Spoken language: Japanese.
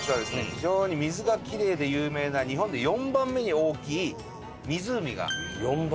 非常に水がきれいで有名な日本で４番目に大きい湖が近くにあるという。